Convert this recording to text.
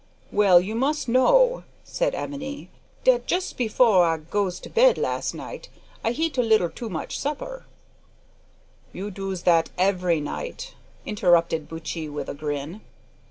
"Well, you mus' know," said Ebony, "dat jus before I goes to bed las' night I heat a little too much supper " "You doos that every night" interrupted Buttchee, with a grin.